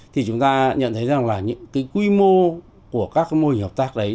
thì chúng ta nhận thấy rằng là những quy mô của các mô hình hợp tác đấy